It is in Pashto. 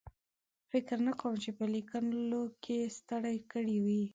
فکر نه کوم چې په لیکلو کې ستړی کړی وي.